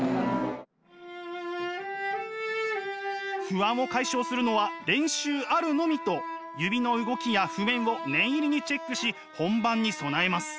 不安を解消するのは練習あるのみと指の動きや譜面を念入りにチェックし本番に備えます。